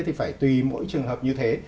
thì phải tùy mỗi trường hợp như thế